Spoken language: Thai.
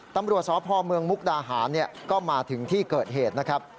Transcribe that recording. ตำรวจสพเมืองมุกดาหารก็มาถึงที่เกิดเหตุนะครับ